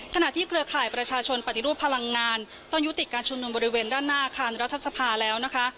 ที่เครือข่ายประชาชนปฏิรูปพลังงานต้องยุติการชุมนุมบริเวณด้านหน้าอาคารรัฐสภาแล้วนะคะ